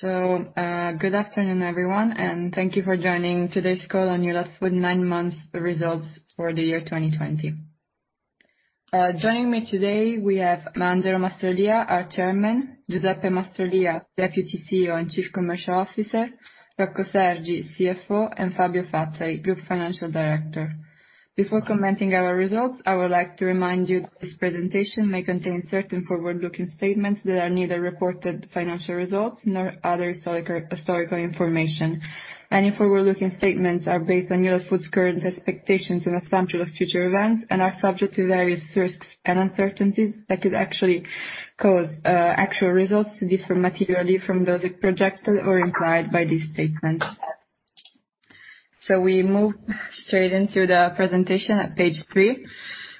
Good afternoon, everyone, and thank you for joining today's call on Newlat with nine months' results for the year 2020. Joining me today, we have Angelo Mastrolia, our Chairman; Giuseppe Mastrolia, Deputy CEO and Chief Commercial Officer; Rocco Sergi, CFO; and Fabio Fazzari, Group Financial Director. Before commenting our results, I would like to remind you that this presentation may contain certain forward-looking statements that are neither reported financial results nor other historical information. Any forward-looking statements are based on Newlat Food current expectations and assumptions of future events and are subject to various risks and uncertainties that could actually cause actual results to differ materially from those projected or implied by these statements. We move straight into the presentation at page three,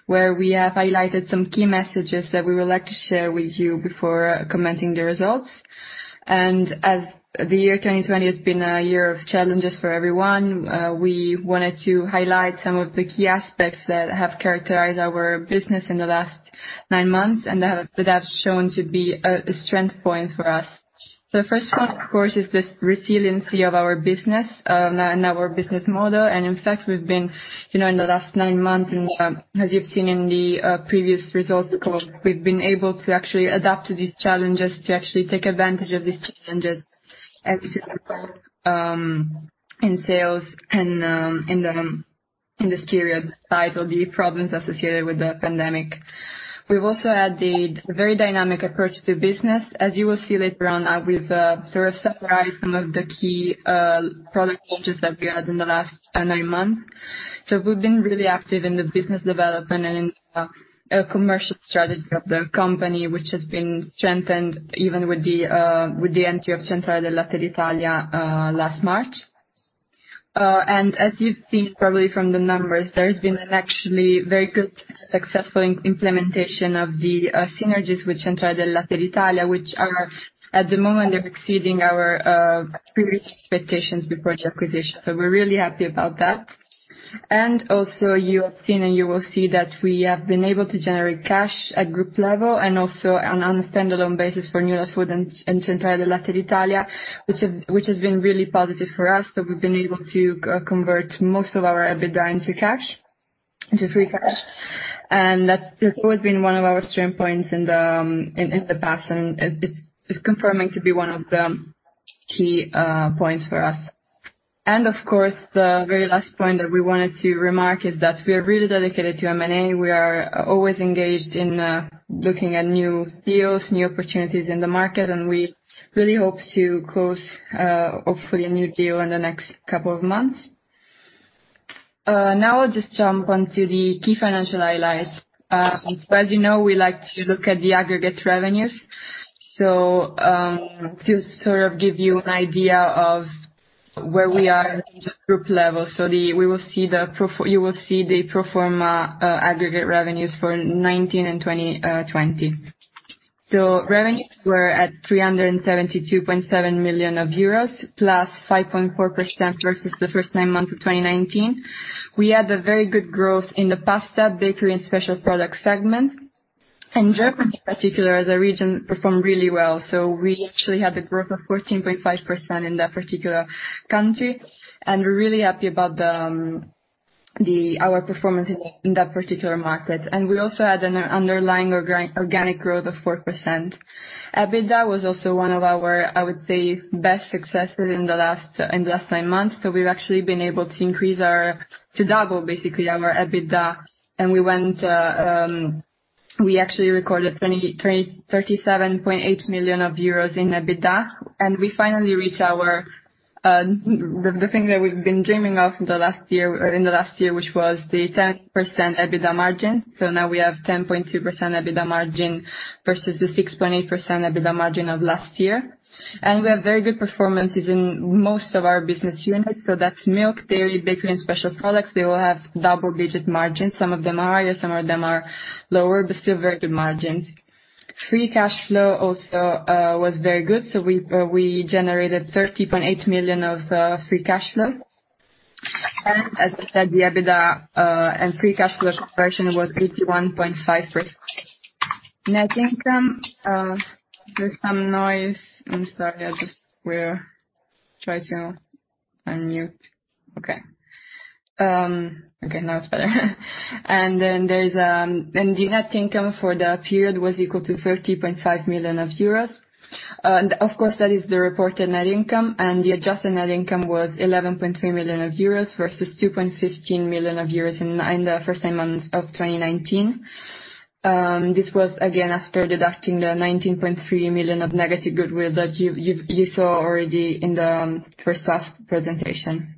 where we have highlighted some key messages that we would like to share with you before commenting the results. As the year 2020 has been a year of challenges for everyone, we wanted to highlight some of the key aspects that have characterized our business in the last nine months and that have shown to be a strength point for us. The first one, of course, is the resiliency of our business and our business model. In fact, we've been, you know, in the last nine months and, as you've seen in previous results call, we've been able to actually adapt to these challenges, to actually take advantage of these challenges and to in sales and in this period tied to the problems associated with the pandemic. We've also had the very dynamic approach to business. As you will see later on, we've sort of summarized some of the key product changes that we had in the last nine months. So we've been really active in the business development and in the commercial strategy of the company, which has been strengthened even with the entry of Centrale del Latte d'Italia last March, and as you've seen probably from the numbers, there's been an actually very good successful implementation of the synergies with Centrale del Latte d'Italia, which are at the moment exceeding our previous expectations before the acquisition, so we're really happy about that, and also you have seen, and you will see, that we have been able to generate cash at group level and also on a standalone basis for Newlat and Centrale del Latte d'Italia, which has been really positive for us, so we've been able to convert most of our EBITDA into cash, into free cash. That's always been one of our strength points in the past, and it's confirming to be one of the key points for us. Of course, the very last point that we wanted to remark is that we are really dedicated to M&A. We are always engaged in looking at new deals, new opportunities in the market, and we really hope to close, hopefully, a new deal in the next couple of months. Now I'll just jump onto the key financial highlights. As you know, we like to look at the aggregate revenues. To sort of give you an idea of where we are in the group level, you will see the pro forma aggregate revenues for 2019 and 2020, 2020. Revenues were at 372.7 million euros, +5.4% versus the first nine months of 2019. We had a very good growth in the pasta, bakery, and special product segment. Germany, in particular, as a region, performed really well. We actually had a growth of 14.5% in that particular country. We're really happy about our performance in that particular market. We also had an underlying organic growth of 4%. EBITDA was also one of our, I would say, best successes in the last nine months. We've actually been able to increase our, to double, basically, our EBITDA. We actually recorded 37.8 million euros in EBITDA. We finally reached the thing that we've been dreaming of in the last year, which was the 10% EBITDA margin. Now we have 10.2% EBITDA margin versus the 6.8% EBITDA margin of last year. We have very good performances in most of our business units. That's milk, dairy, bakery, and special products. They will have double-digit margins. Some of them are higher, some of them are lower, but still very good margins. Free cash flow also was very good. We generated 30.8 million EUR free cash flow. As I said, the EBITDA and free cash flow conversion was 81.5%. Net income, there's some noise. I'm sorry. I just, we're trying to unmute. Okay. Now it's better. The net income for the period was equal to 30.5 million euros. And of course, that is the reported net income. And the adjusted net income was 11.3 million euros versus 2.15 million euros in the first nine months of 2019. This was, again, after deducting the 19.3 million of negative goodwill that you saw already in the first half presentation.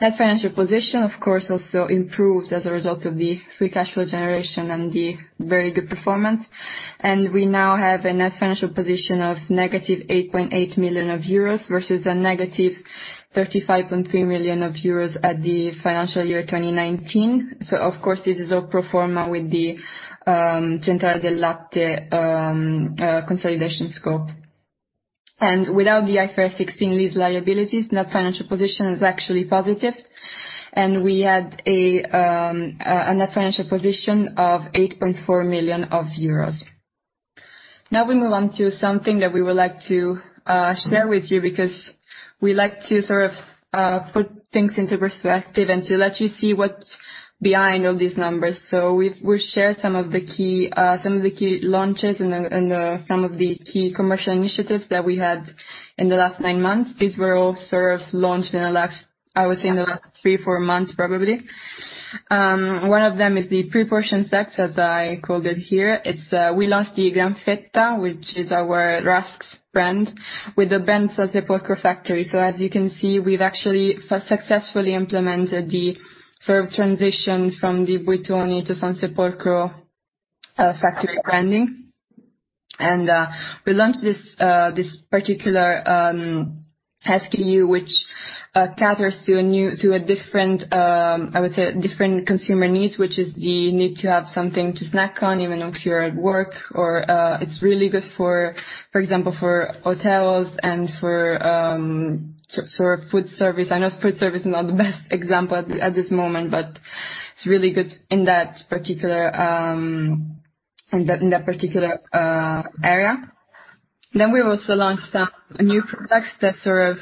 Net financial position, of course, also improved as a result of the free cash flow generation and the very good performance. And we now have a net financial position of -8.8 million euros versus a -35.3 million euros at the financial year 2019. So of course, this is all pro forma with the Centrale del Latte consolidation scope. And without the IFRS 16 lease liabilities, net financial position is actually positive. And we had a net financial position of 8.4 million euros. Now we move on to something that we would like to share with you because we like to sort of put things into perspective and to let you see what's behind all these numbers. So we've shared some of the key launches and some of the key commercial initiatives that we had in the last nine months. These were all sort of launched in the last, I would say, in the last three, four months probably. One of them is the pre-portioned packs, as I called it here. It's, we launched the Granfetta, which is our rusk brand, at the Sansepolcro factory. So as you can see, we've actually successfully implemented the sort of transition from the Buitoni to Sansepolcro factory branding. We launched this particular SKU, which caters to a different, I would say, different consumer needs, which is the need to have something to snack on, even if you're at work or. It's really good for, for example, hotels and sort of food service. I know food service is not the best example at this moment, but it's really good in that particular area. Then we also launched some new products that sort of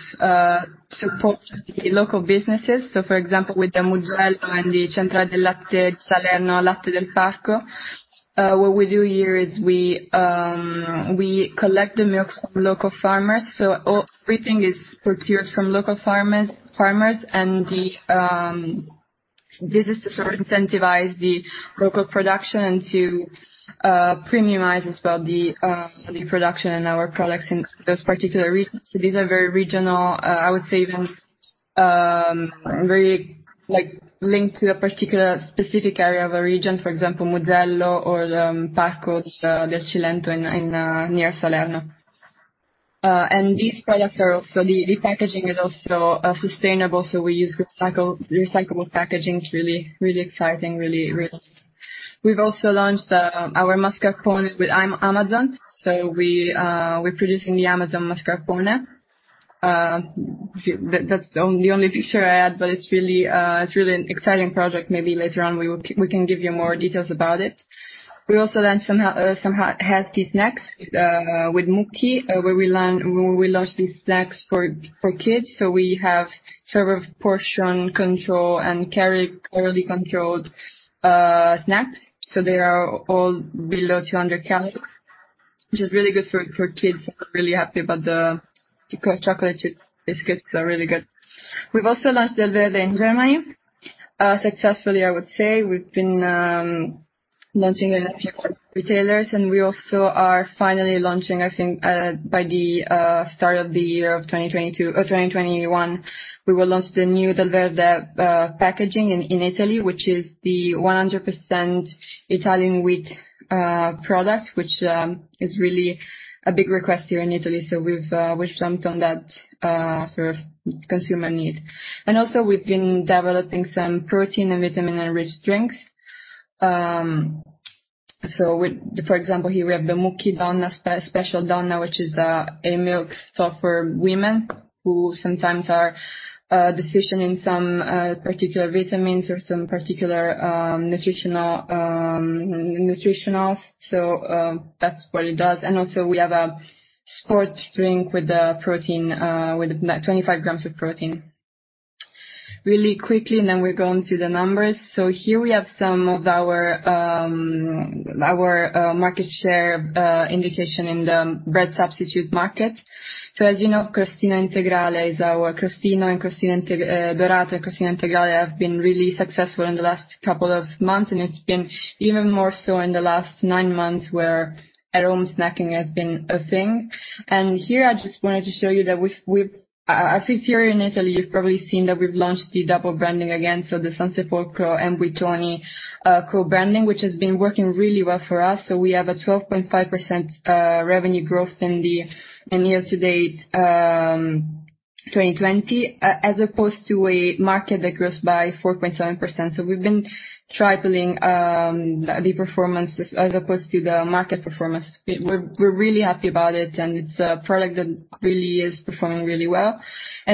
support the local businesses. So for example, with the Mugello and the Centrale del Latte di Salerno Latte del Parco, what we do here is we collect the milk from local farmers. All everything is procured from local farmers, and this is to sort of incentivize the local production and to premiumize as well the production and our products in those particular regions. These are very regional. I would say even very, like, linked to a particular specific area of a region, for example, Mugello or Parco del Cilento in near Salerno. These products are also sustainable. The packaging is also sustainable. We use recyclable packaging. It's really exciting. We've also launched our mascarpone with Amazon. We're producing the Amazon mascarpone. That's the only picture I had, but it's really an exciting project. Maybe later on we can give you more details about it. We also launched some healthy snacks with Mukki, where we launched these snacks for kids. So we have sort of portion control and calorie-control snacks. So they are all below 200 calories, which is really good for kids. I'm really happy about the chocolate chip biscuits. They're really good. We've also launched Delverde in Germany, successfully, I would say. We've been launching it in a few retailers, and we also are finally launching, I think, by the start of the year of 2022, 2021, we will launch the new Delverde packaging in Italy, which is the 100% Italian wheat product, which is really a big request here in Italy. So we've jumped on that sort of consumer need. And also, we've been developing some protein and vitamin-enriched drinks. With, for example, here we have the Mukki Special Donna, which is a milk stuff for women who sometimes are deficient in some particular vitamins or some particular nutritional nutritionals. That's what it does. We also have a sports drink with the protein, with 25 grams of protein. Really quickly, and then we'll go into the numbers. Here we have some of our market share indication in the bread substitute market. As you know, Crostino Integrale is our Crostino and Crostino Dorato and Crostino Integrale have been really successful in the last couple of months, and it's been even more so in the last nine months where at home snacking has been a thing. Here, I just wanted to show you that we've I think here in Italy, you've probably seen that we've launched the double branding again. So the Sansepolcro and Buitoni co-branding, which has been working really well for us. We have a 12.5% revenue growth in year to date 2020, as opposed to a market that grows by 4.7%. We've been tripling the performance as opposed to the market performance. We're really happy about it, and it's a product that really is performing really well.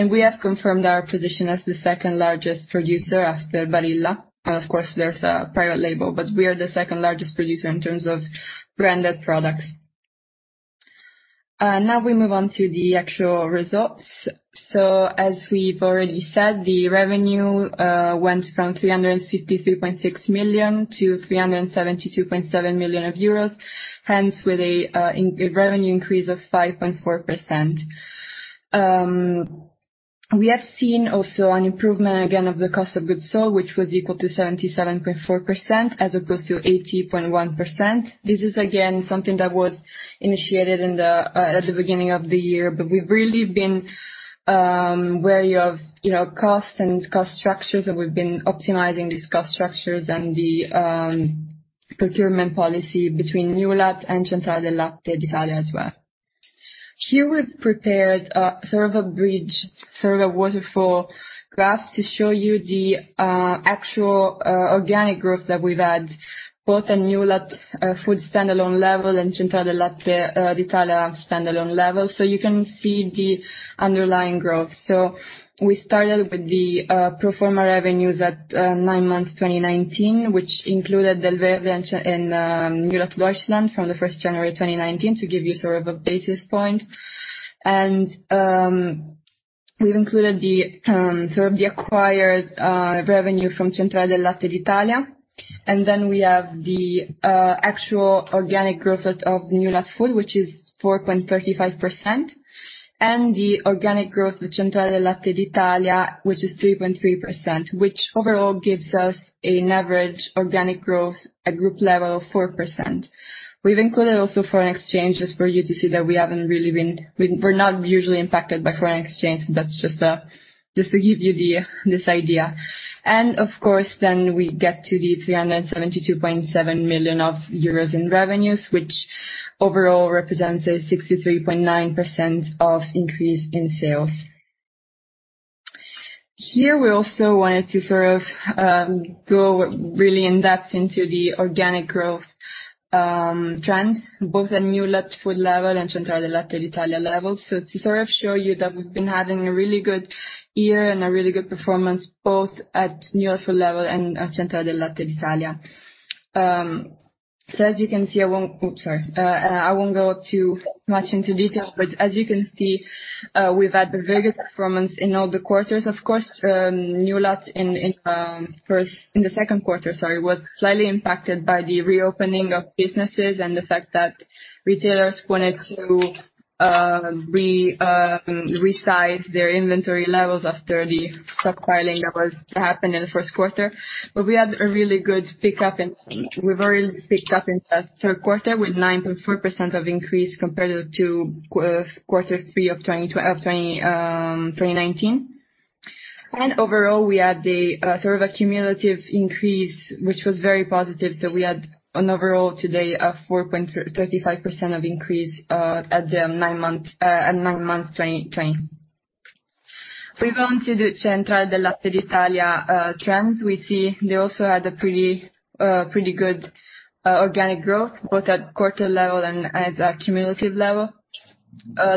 We have confirmed our position as the second largest producer after Barilla. Of course, there's a private label, but we are the second largest producer in terms of branded products. Now we move on to the actual results. As we've already said, the revenue went from 353.6 million to 372.7 million euros, hence with an revenue increase of 5.4%. We have seen also an improvement again of the cost of goods sold, which was equal to 77.4% as opposed to 80.1%. This is again something that was initiated in the, at the beginning of the year, but we've really been, wary of, you know, cost and cost structures. We've been optimizing these cost structures and the, procurement policy between Newlat and Centrale del Latte d'Italia as well. Here we've prepared, sort of a bridge, sort of a waterfall graph to show you the, actual, organic growth that we've had both at Newlat Food standalone level and Centrale del Latte d'Italia standalone level. You can see the underlying growth. We started with the, pro forma revenues at, nine months 2019, which included Delverde and, and, Newlat from the first January 2019 to give you sort of a basis point. We've included the, sort of the acquired, revenue from Centrale del Latte d'Italia. And then we have the actual organic growth of Newlat Food, which is 4.35%, and the organic growth of Centrale del Latte d'Italia, which is 3.3%, which overall gives us an average organic growth at group level of 4%. We've included also foreign exchanges for you to see that we haven't really been. We're not usually impacted by foreign exchange. That's just to give you this idea. And of course, then we get to the 372.7 million euros in revenues, which overall represents a 63.9% of increase in sales. Here we also wanted to sort of go really in depth into the organic growth trend both at Newlat Food level and Centrale del Latte d'Italia level. So to sort of show you that we've been having a really good year and a really good performance both at Newlat Food level and at Centrale del Latte d'Italia. So as you can see, I won't go too much into detail, but as you can see, we've had very good performance in all the quarters. Of course, Newlat in the second quarter was slightly impacted by the reopening of businesses and the fact that retailers wanted to resize their inventory levels after the stockpiling that was happened in the first quarter. But we had a really good pickup. We've already picked up in the third quarter with 9.4% increase compared to quarter three of 2019. And overall, we had sort of a cumulative increase, which was very positive. So we had an overall to date of 4.35% increase at nine months 2020. We've gone to the Centrale del Latte d'Italia trend. We see they also had a pretty good organic growth both at quarter level and at a cumulative level.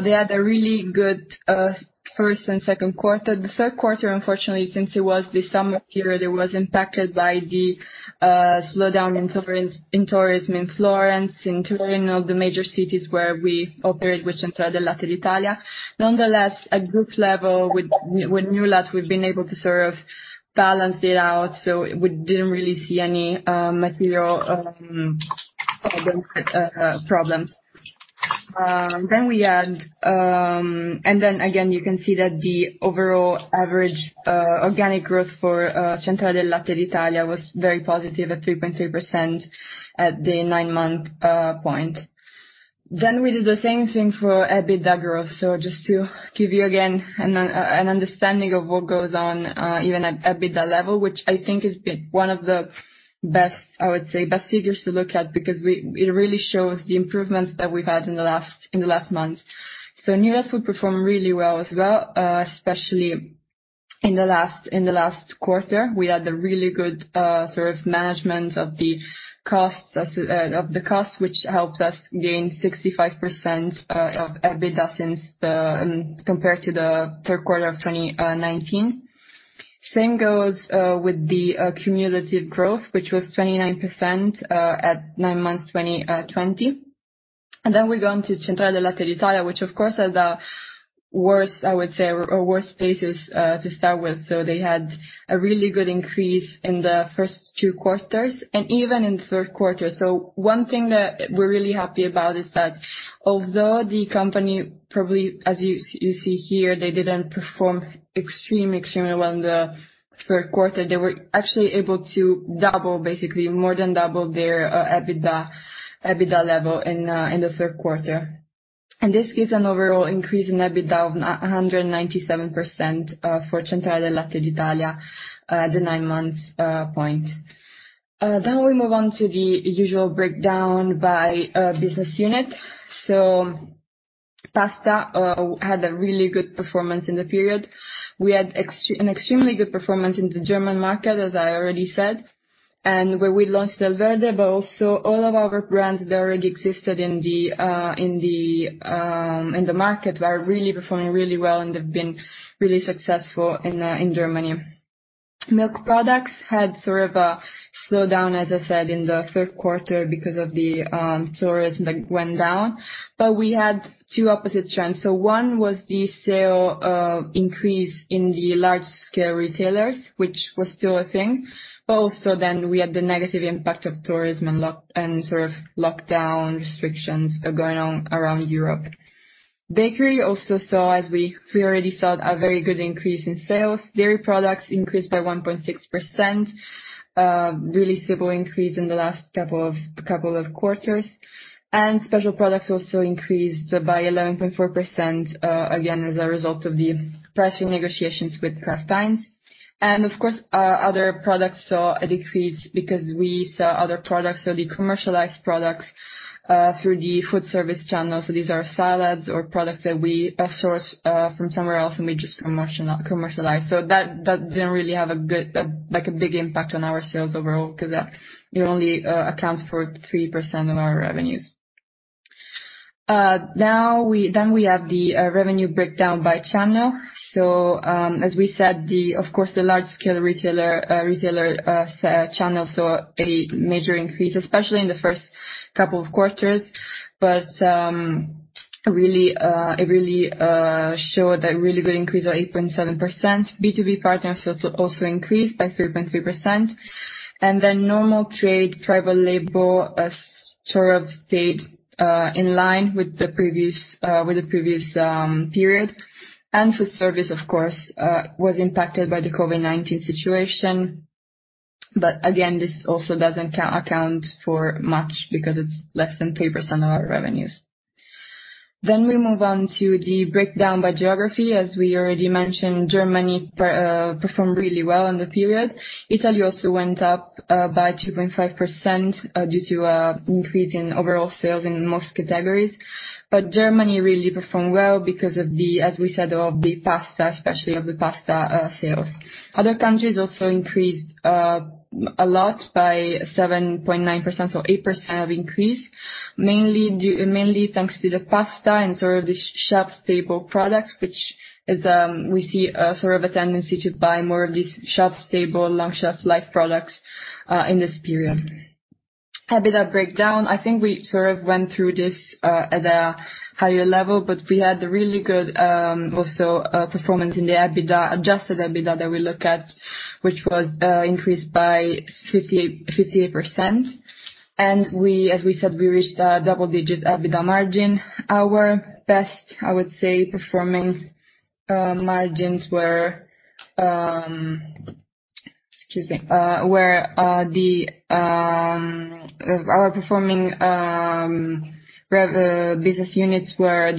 They had a really good first and second quarter. The third quarter, unfortunately, since it was the summer period, it was impacted by the slowdown in tourism in Florence, in the major cities where we operate, which Centrale del Latte d'Italia. Nonetheless, at group level with Newlat we've been able to sort of balance it out. So we didn't really see any material problems. You can see that the overall average organic growth for Centrale del Latte d'Italia was very positive at 3.3% at the nine-month point. Then we did the same thing for EBITDA growth. So just to give you again an understanding of what goes on, even at EBITDA level, which I think has been one of the best, I would say, best figures to look at because it really shows the improvements that we've had in the last months. So Newlat Food performed really well as well, especially in the last quarter. We had a really good sort of management of the costs, which helped us gain 65% of EBITDA compared to the third quarter of 2019. Same goes with the cumulative growth, which was 29% at nine months 2020. And then we go on to Centrale del Latte d'Italia, which of course has the worst, I would say, or worst basis to start with. So they had a really good increase in the first two quarters and even in the third quarter. One thing that we're really happy about is that although the company probably, as you see here, they didn't perform extremely well in the third quarter, they were actually able to double, basically more than double their EBITDA level in the third quarter. And this gives an overall increase in EBITDA of 197% for Centrale del Latte d'Italia at the nine-month point. We move on to the usual breakdown by business unit. Pasta had a really good performance in the period. We had an extremely good performance in the German market, as I already said, and where we launched Delverde, but also all of our brands that already existed in the market were really performing really well and have been really successful in Germany. Milk products had sort of a slowdown, as I said, in the third quarter because of the tourism that went down. But we had two opposite trends. So one was the sale increase in the large-scale retailers, which was still a thing, but also then we had the negative impact of tourism and lockdown restrictions going on around Europe. Bakery also saw, as we already saw a very good increase in sales. Dairy products increased by 1.6%, really simple increase in the last couple of quarters. And special products also increased by 11.4%, again as a result of the pricing negotiations with Kraft Heinz. And of course, other products saw a decrease because we saw other products or the commercialized products through the food service channel. So these are salads or products that we source from somewhere else and we just commercialize. That didn't really have a good, like a big impact on our sales overall because it only accounts for 3% of our revenues. We then have the revenue breakdown by channel. As we said, of course, the large-scale retailer channel saw a major increase, especially in the first couple of quarters. It really showed a really good increase of 8.7%. B2B partners also increased by 3.3%. Normal trade, private label sort of stayed in line with the previous period. Food service, of course, was impacted by the COVID-19 situation. This also doesn't account for much because it's less than 3% of our revenues. We move on to the breakdown by geography. As we already mentioned, Germany performed really well in the period. Italy also went up by 2.5% due to increase in overall sales in most categories, but Germany really performed well because of the, as we said, of the pasta, especially of the pasta, sales. Other countries also increased a lot by 7.9%, so 8% of increase, mainly due, mainly thanks to the pasta and sort of the shelf-stable products, which is, we see a sort of a tendency to buy more of these shelf-stable, long-shelf-life products, in this period. EBITDA breakdown, I think we sort of went through this, at a higher level, but we had a really good, also, performance in the EBITDA, adjusted EBITDA that we look at, which was increased by 58%, and we, as we said, we reached a double-digit EBITDA margin. Our best performing margins were, excuse me, our performing business units were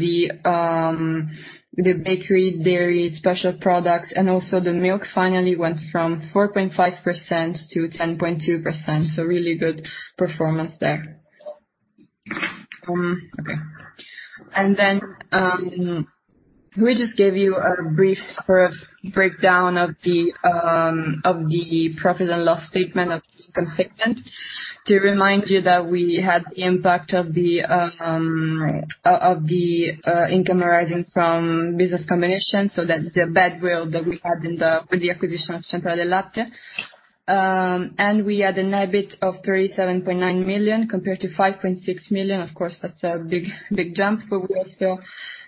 the bakery, dairy, special products, and also the milk finally went from 4.5% to 10.2%. So really good performance there. Okay. And then, we just gave you a brief sort of breakdown of the profit and loss statement of the income statement to remind you that we had the impact of the income arising from business combination. So that the badwill that we had with the acquisition of Centrale del Latte d'Italia. And we had an EBIT of 37.9 million compared to 5.6 million. Of course, that's a big, big jump. But we also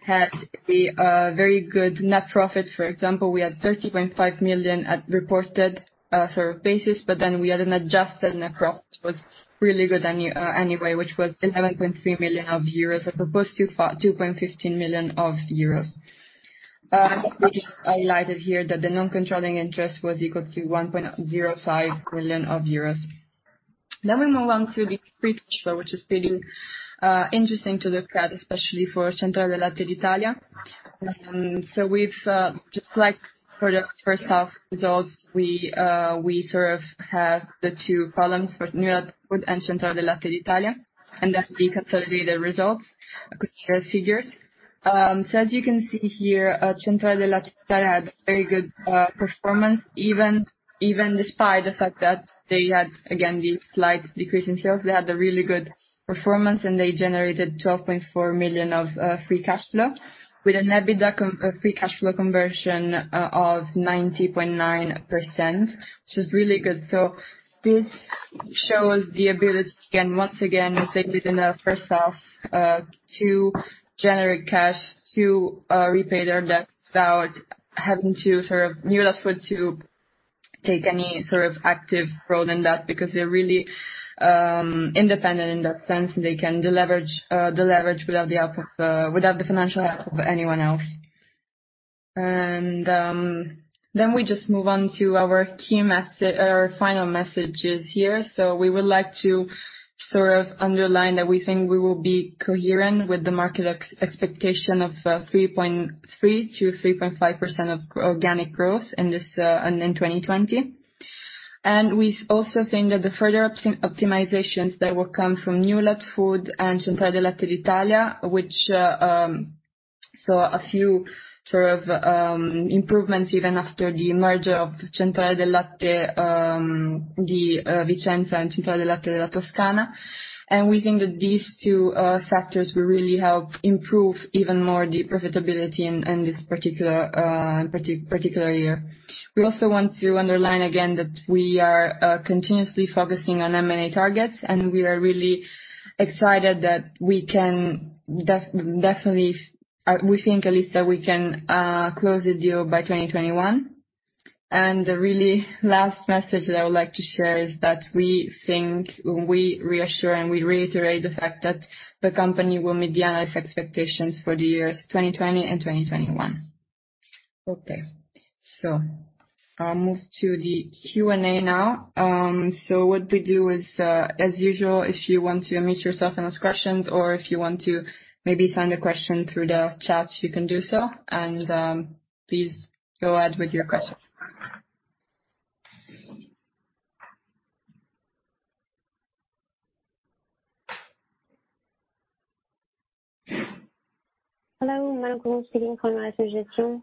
had a very good net profit. For example, we had 30.5 million at reported, sort of basis, but then we had an adjusted net profit that was really good anyway, which was 11.3 million euros as opposed to 2.15 million euros. We just highlighted here that the non-controlling interest was equal to 1.05 million euros. Then we move on to the free cash flow, which is pretty interesting to look at, especially for Centrale del Latte d'Italia. So we've just like for the first half results, we sort of have the two columns for Newlat Food and Centrale del Latte d'Italia, and then the consolidated results, consolidated figures. So as you can see here, Centrale del Latte d'Italia had a very good performance, even, even despite the fact that they had, again, the slight decrease in sales. They had a really good performance and they generated 12.4 million of free cash flow with an EBITDA-to-free cash flow conversion of 90.9%, which is really good. So this shows the ability, again, once again, as they did in the first half, to generate cash to repay their debt without having to sort of Newlat Food to take any sort of active role in that because they're really independent in that sense. They can deleverage, deleverage without the help of, without the financial help of anyone else. And then we just move on to our key message, our final messages here. We would like to underline that we think we will be coherent with the market expectation of 3.3%-3.5% organic growth in this and in 2020. We also think that the further optimizations that will come from Newlat Food and Centrale del Latte d'Italia, which saw a few sort of improvements even after the merger of Centrale del Latte di Vicenza and Centrale del Latte della Toscana. We think that these two factors will really help improve even more the profitability in this particular year. We also want to underline again that we are continuously focusing on M&A targets and we are really excited that we can definitely, we think at least that we can, close the deal by 2021. And the really last message that I would like to share is that we think, we reassure and we reiterate the fact that the company will meet the analyst expectations for the years 2020 and 2021. Okay. So I'll move to the Q&A now. So what we do is, as usual, if you want to make yourself and ask questions or if you want to maybe send a question through the chat, you can do so. And, please go ahead with your question. Hello, Marco speaking from Inocap Gestion.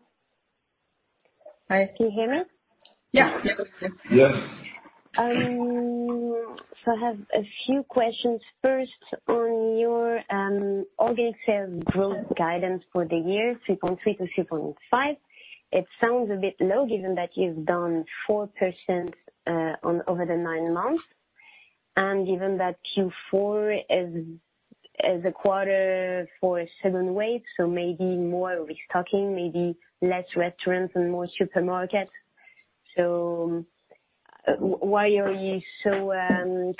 Hi. Can you hear me? Yeah. Yeah. Yes. So I have a few questions. First, on your organic sales growth guidance for the year 3.3%-3.5%, it sounds a bit low given that you've done 4% over the nine months. And given that Q4 is a quarter for a seasonal wave, so maybe more restocking, maybe less restaurants and more supermarkets. So why are you so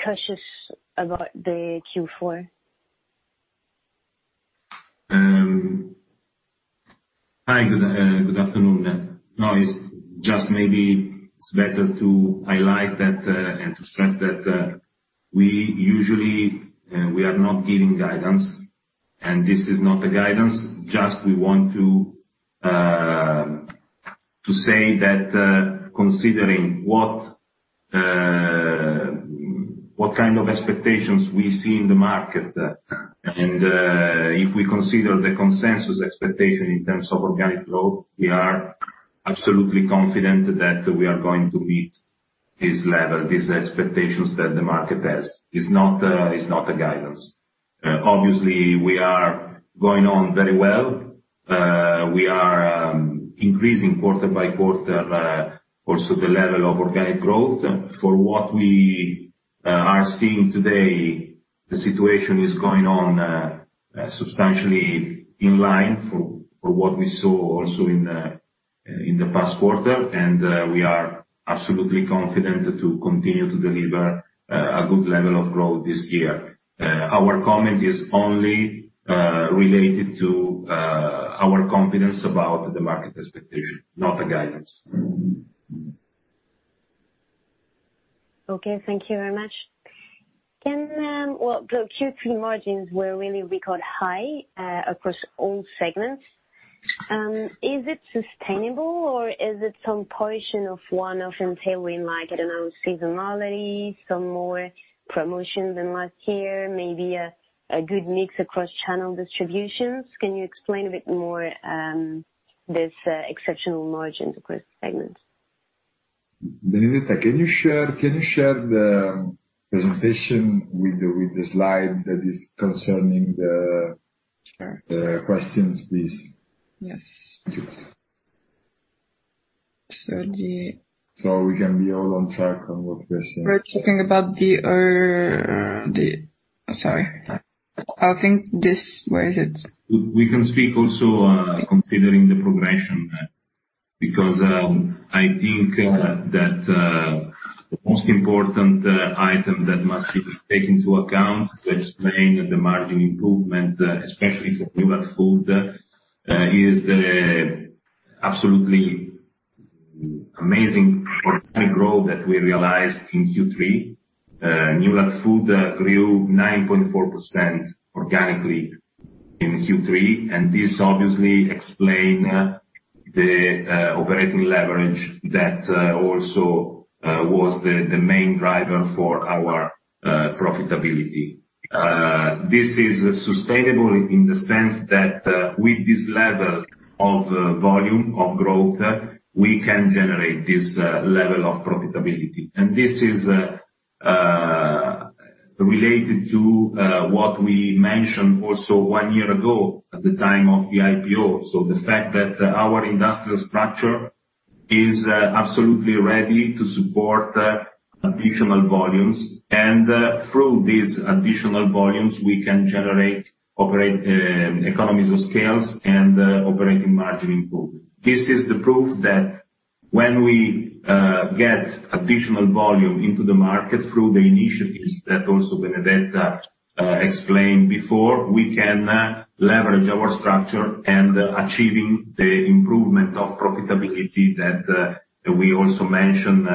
cautious about the Q4? Hi, good afternoon. No, it's just maybe it's better to highlight that and to stress that we usually are not giving guidance and this is not a guidance. Just we want to say that, considering what kind of expectations we see in the market. And if we consider the consensus expectation in terms of organic growth, we are absolutely confident that we are going to meet this level, these expectations that the market has. It's not, it's not a guidance. Obviously, we are going on very well. We are increasing quarter by quarter also the level of organic growth. For what we are seeing today, the situation is going on substantially in line for what we saw also in the past quarter. And we are absolutely confident to continue to deliver a good level of growth this year. Our comment is only related to our confidence about the market expectation, not a guidance. Okay. Thank you very much. Well, the Q3 margins were really record high, across all segments. Is it sustainable or is it some portion of one of entailing, like, I don't know, seasonality, some more promotion than last year, maybe a good mix across channel distributions? Can you explain a bit more, this exceptional margins across segments? Benedetta, can you share the presentation with the slide that is concerning the questions, please? Yes. Thank you. So the. So we can be all on track on what we're saying. We're talking about the, sorry. I think this, where is it? We can speak also, considering the progression because, I think, that the most important item that must be taken into account to explain the margin improvement, especially for Newlat Food, is the absolutely amazing organic growth that we realized in Q3. Newlat Food grew 9.4% organically in Q3. And this obviously explains the operating leverage that also was the main driver for our profitability. This is sustainable in the sense that with this level of volume of growth, we can generate this level of profitability. And this is related to what we mentioned also one year ago at the time of the IPO. The fact that our industrial structure is absolutely ready to support additional volumes. And through these additional volumes, we can generate operating economies of scale and operating margin improvement. This is the proof that when we get additional volume into the market through the initiatives that also Benedetta explained before, we can leverage our structure and achieving the improvement of profitability that we also mentioned,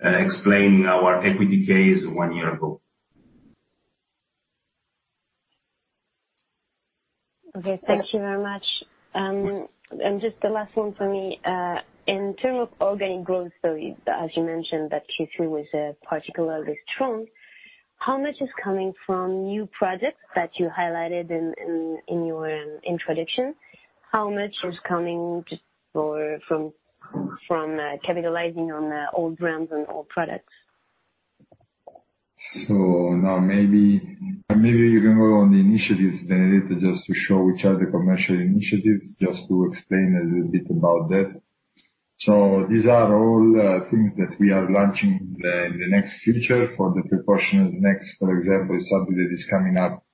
explaining our equity case one year ago. Okay. Thank you very much. And just the last one for me. In terms of organic growth, so as you mentioned that Q3 was particularly strong, how much is coming from new projects that you highlighted in your introduction? How much is coming just from capitalizing on old brands and old products? So now maybe you can go on the initiatives, Benedetta, just to show which are the commercial initiatives, just to explain a little bit about that. These are all things that we are launching in the next future for the pre-portioned snacks. For example, something that is coming up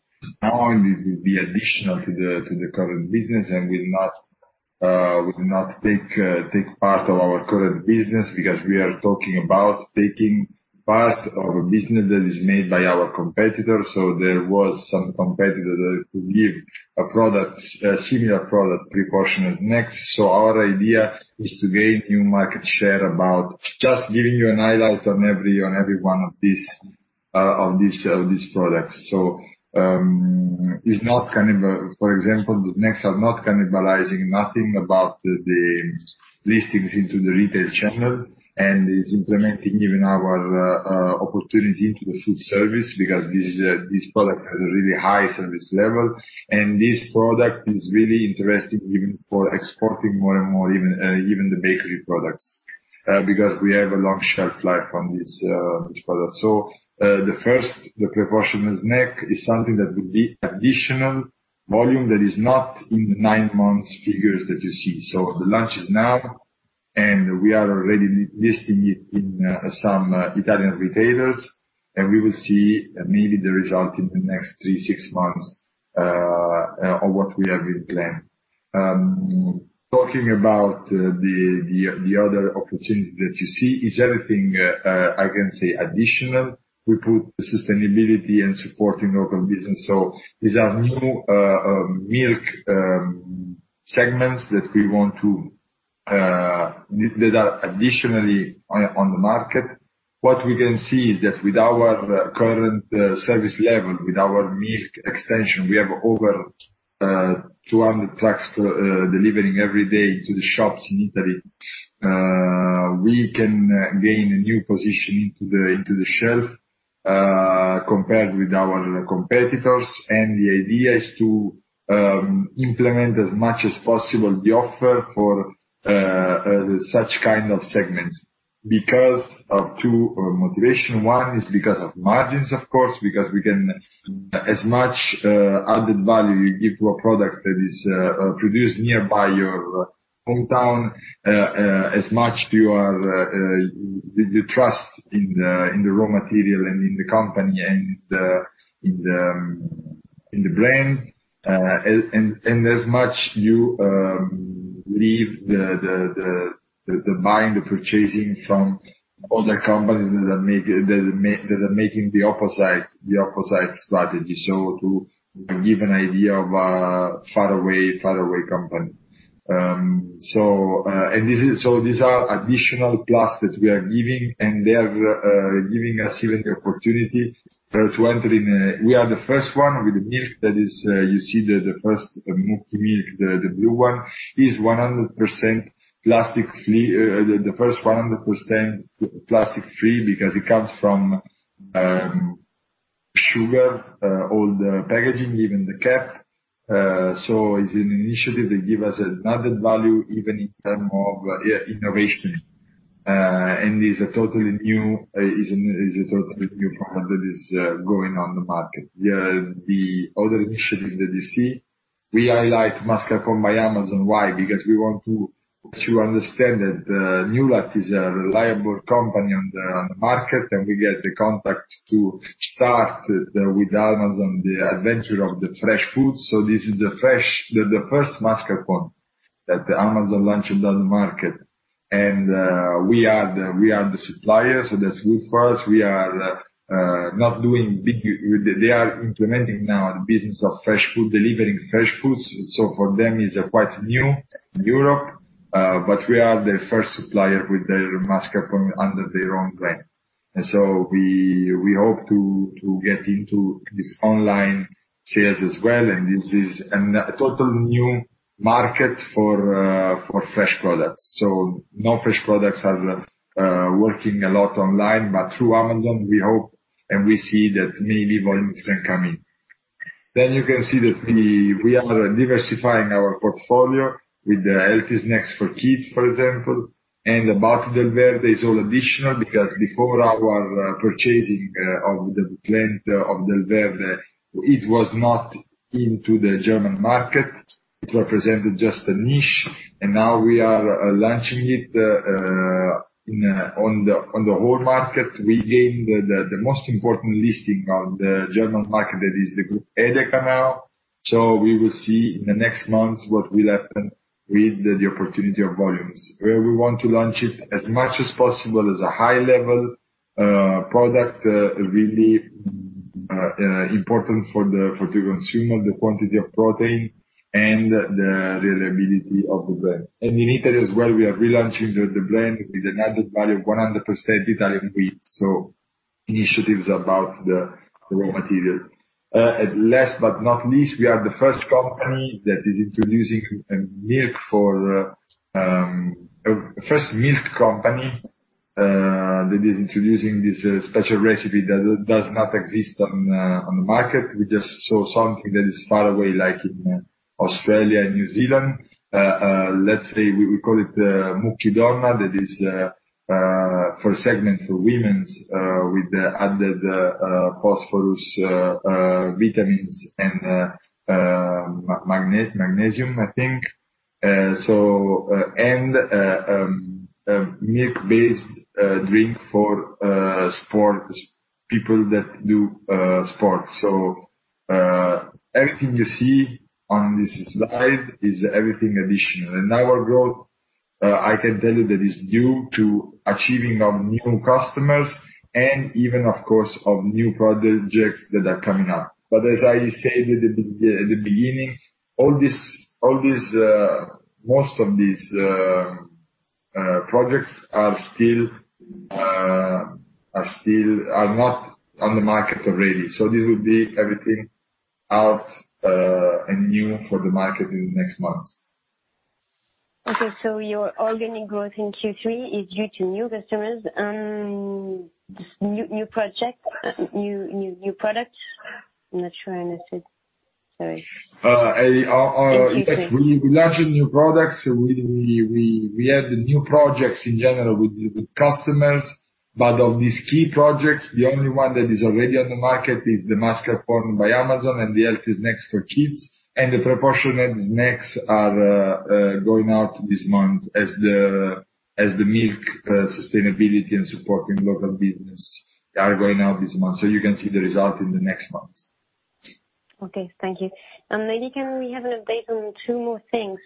now and it will be additional to the current business and will not take part of our current business because we are talking about taking part of a business that is made by our competitor. So there was some competitor that could give a product, a similar product pre-portioned snacks. So our idea is to gain new market share about just giving you a highlight on every one of these products. So, it's not cannibal. For example, the next are not cannibalizing nothing about the listings into the retail channel. And it's implementing even our opportunity into the food service because this product has a really high service level. And this product is really interesting even for exporting more and more, even the bakery products, because we have a long shelf life on this product. So, the first, the pre-portioned pack is something that would be additional volume that is not in the nine months figures that you see. So the launch is now and we are already listing it in some Italian retailers. And we will see maybe the result in the next three, six months, of what we have in plan. Talking about the other opportunity that you see is everything I can say additional. We put sustainability and supporting local business. These are new milk segments that are additionally on the market. What we can see is that with our current service level, with our milk extension, we have over 200 trucks delivering every day to the shops in Italy. We can gain a new position into the shelf, compared with our competitors. The idea is to implement as much as possible the offer for such kind of segments because of two motivations. One is because of margins, of course, because we can as much added value you give to a product that is produced nearby your hometown, as much you trust in the raw material and in the company and in the brand, and as much you leave the buying, the purchasing from other companies that are making the opposite strategy. So to give an idea of a far away company. These are additional plus that we are giving and they are giving us even the opportunity to enter in. We are the first one with the milk that is. You see the first milk, the blue one is 100% plastic free, the first 100% plastic free because it comes from sugar, all the packaging, even the cap. It's an initiative that gives us an added value even in terms of innovation. It's a totally new product that is going on the market. The other initiative that you see, we highlight mascarpone by Amazon. Why? Because we want to understand that Newlat is a reliable company on the market and we get the contract to start with Amazon the adventure of the fresh food. So this is the fresh, the first mascarpone that Amazon launched on the market. We are the supplier, so that's good for us. We are not doing big. They are implementing now the business of fresh food, delivering fresh foods. For them, it's quite new in Europe. But we are the first supplier with their mascarpone under their own brand. So we hope to get into this online sales as well. This is a total new market for fresh products. No fresh products are working a lot online, but through Amazon, we hope and we see that maybe volumes can come in. Then you can see that we are diversifying our portfolio with the Healthy Snacks for Kids, for example. The Delverde is all additional because before our purchasing of the plant of Delverde, it was not into the German market. It represented just a niche. Now we are launching it on the whole market. We gained the most important listing on the German market that is the group Edeka now. We will see in the next months what will happen with the opportunity of volumes. We want to launch it as much as possible as a high-level product, really important for the consumer, the quantity of protein and the reliability of the brand. In Italy as well, we are relaunching the brand with an added value of 100% Italian wheat. Initiatives about the raw material. Last but not least, we are the first company that is introducing a milk for a first milk company that is introducing this special recipe that does not exist on the market. We just saw something that is far away, like in Australia and New Zealand. Let's say we call it Mukki Donna that is for a segment for women, with added phosphorus, vitamins and magnesium, I think. And milk-based drink for sports people that do sports. Everything you see on this slide is everything additional. Our growth, I can tell you that is due to achieving of new customers and even, of course, of new projects that are coming up. But as I said at the beginning, all this, most of these projects are still not on the market already. This will be everything out, and new for the market in the next months. Okay. So your organic growth in Q3 is due to new customers and new products? I'm not sure I understood. Sorry. Our interest. Yes. We launched a new product. We had the new projects in general with customers. But of these key projects, the only one that is already on the market is the mascarpone by Amazon and the Healthy Snacks for Kids, and the pre-portioned snacks are going out this month as the milk, sustainability and supporting local business are going out this month, so you can see the result in the next month. Okay. Thank you. Maybe can we have an update on two more things?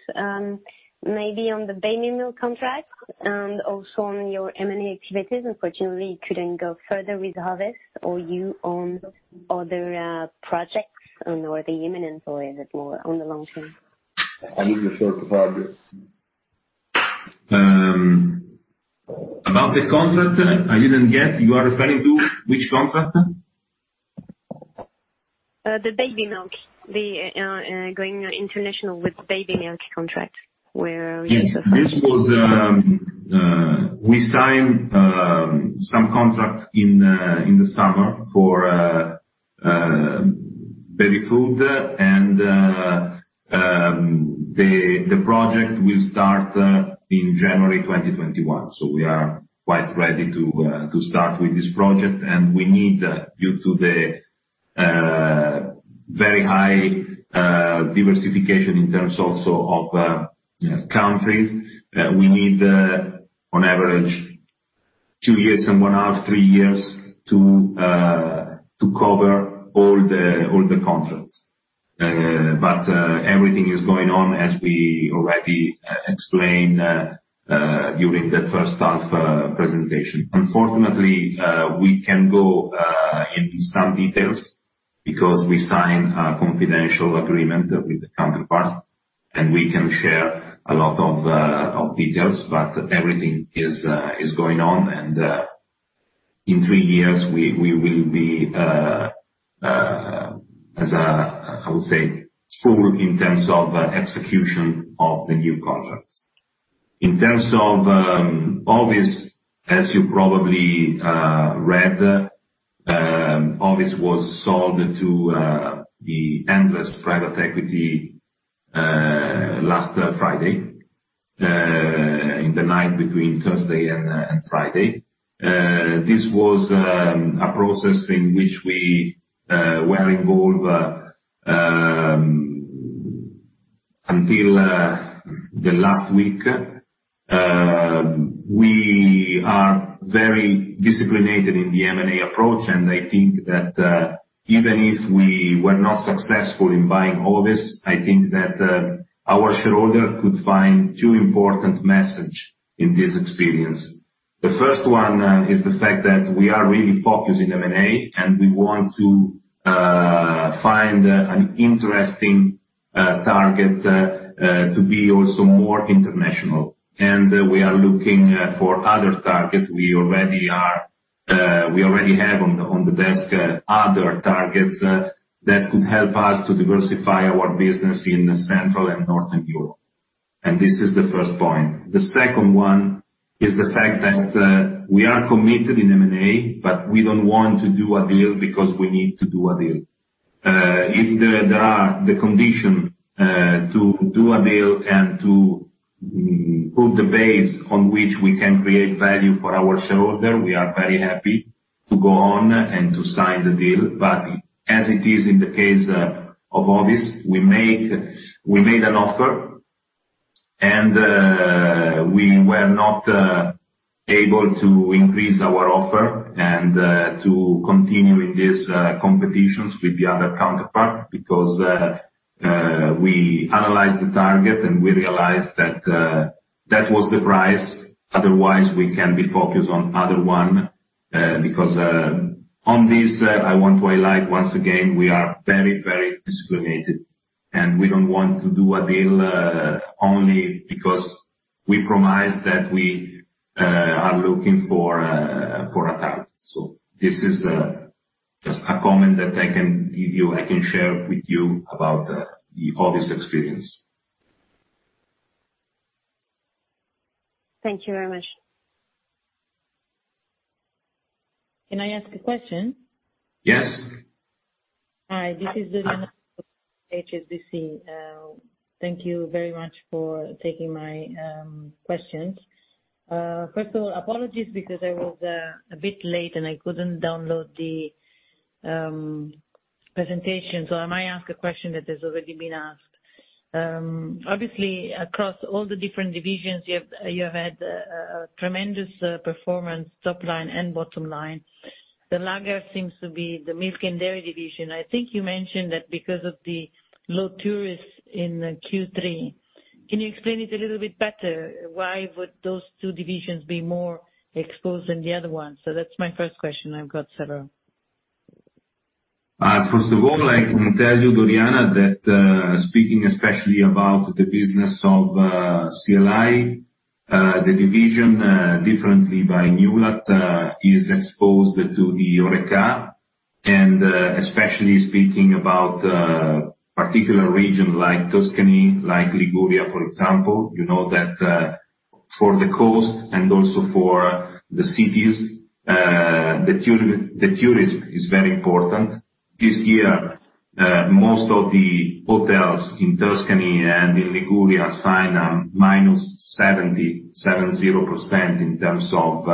Maybe on the baby milk contract and also on your M&A activities. Unfortunately, you couldn't go further with Hovis. Are you on other projects, ongoing or imminent, or is it more on the long term? I'm interested in the short project about the contract. I didn't get which contract you are referring to. the baby milk, going international with baby milk contract where we so far. Yes. This was we signed some contract in the summer for baby food. And the project will start in January 2021. So we are quite ready to start with this project. And we need, due to the very high diversification in terms also of countries, we need on average two years and one half, three years to cover all the contracts. But everything is going on as we already explained during the first half presentation. Unfortunately, we can go in some details because we signed a confidential agreement with the counterpart and we can share a lot of details. But everything is going on. And in three years we will be as I would say full in terms of execution of the new contracts. In terms of Hovis, as you probably read, Hovis was sold to the Endless Private Equity last Friday in the night between Thursday and Friday. This was a process in which we were involved until the last week. We are very disciplined in the M&A approach. And I think that, even if we were not successful in buying Hovis, I think that our shareholder could find two important messages in this experience. The first one is the fact that we are really focused in M&A and we want to find an interesting target to be also more international. And we are looking for other targets. We already have on the desk other targets that could help us to diversify our business in Central and Northern Europe. And this is the first point. The second one is the fact that we are committed in M&A, but we don't want to do a deal because we need to do a deal. If there are the condition to do a deal and to put the base on which we can create value for our shareholder, we are very happy to go on and to sign the deal. But as it is in the case of Hovis, we made an offer. And we were not able to increase our offer and to continue in this competition with the other counterpart because we analyzed the target and we realized that that was the price. Otherwise, we can be focused on other one, because on this, I want to highlight once again, we are very, very disciplined and we don't want to do a deal only because we promise that we are looking for a target. So this is just a comment that I can give you, I can share with you about the Hovis experience. Thank you very much. Can I ask a question? Yes. Hi. This is Doriana from HSBC. Thank you very much for taking my questions. First of all, apologies because I was a bit late and I couldn't download the presentation. So I might ask a question that has already been asked. Obviously, across all the different divisions, you have, you have had a tremendous performance, top line and bottom line. The laggard seems to be the milk and dairy division. I think you mentioned that because of the low tourists in Q3. Can you explain it a little bit better? Why would those two divisions be more exposed than the other ones? So that's my first question. I've got several. First of all, I can tell you, Doriana, that, speaking especially about the business of CLI, the division, differently from Newlat, is exposed to the HoReCa. Especially speaking about particular regions like Tuscany, like Liguria, for example, you know that, for the coast and also for the cities, the tourism, the tourism is very important. This year, most of the hotels in Tuscany and in Liguria saw a -70% in terms of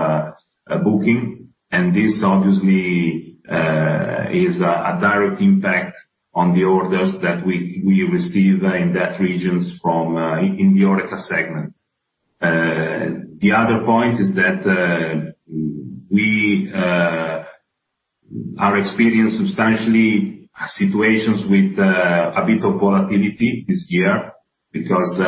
bookings. And this obviously is a direct impact on the orders that we receive in those regions from the HoReCa segment. The other point is that we are experiencing substantial situations with a bit of volatility this year because